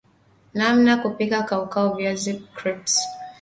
nanmna kupika kaukau za viazi crisps